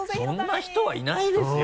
そんな人はいないですよ。